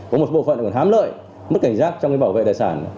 có một bộ phận còn hám lợi mất cảnh giác trong bảo vệ tài sản